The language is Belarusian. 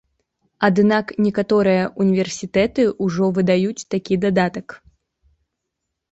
Аднак некаторыя ўніверсітэты ўжо выдаюць такі дадатак.